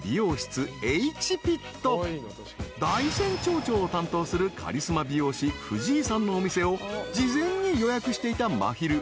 ［大山町長を担当するカリスマ美容師藤井さんのお店を事前に予約していたまひる］